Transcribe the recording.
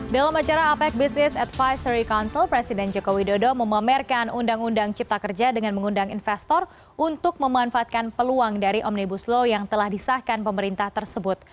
dalam acara apec business advisory council presiden joko widodo memamerkan undang undang cipta kerja dengan mengundang investor untuk memanfaatkan peluang dari omnibus law yang telah disahkan pemerintah tersebut